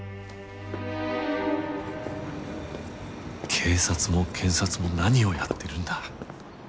警察も検察も何をやってるんだ。